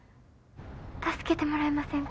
助けてもらえませんか？